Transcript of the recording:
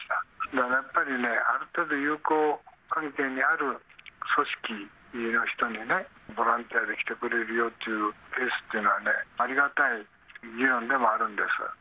だからやっぱりね、友好関係にある組織の人にね、ボランティアで来てくれるよっていうケースっていうのはね、ありがたい事案でもあるんです。